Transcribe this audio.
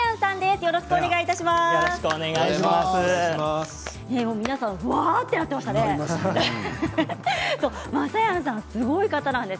よろしくお願いします。